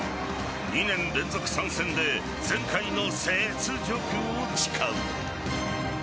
２年連続参戦で前回の雪辱を誓う。